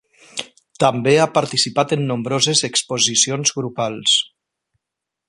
També ha participat en nombroses exposicions grupals.